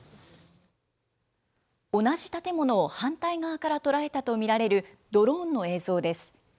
同じ建物を反対側から捉えたと見られるドローンの映像です。